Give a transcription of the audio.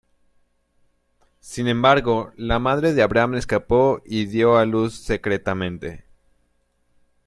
Sin embargo, la madre de Abraham escapó y dio a luz secretamente.